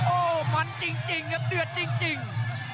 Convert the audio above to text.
โอ้โหมันจริงครับเดือดจริง